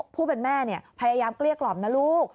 ผู้เป็นแม่พยายามเกลี้ยกล่อมนะลูก